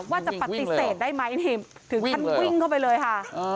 ว่าจะปฏิเสธได้ไหมนี่ถึงขั้นวิ่งเข้าไปเลยค่ะ